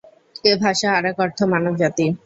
এ ভাষা আরেক অর্থ মানবজাতি।